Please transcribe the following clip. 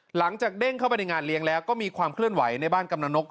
หลังจากเด้งเข้าไปในงานเลี้ยงแล้วก็มีความเคลื่อนไหวในบ้านกำลังนก